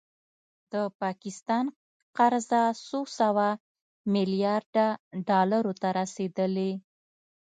د پاکستان قرضه څو سوه میلیارده ډالرو ته رسیدلې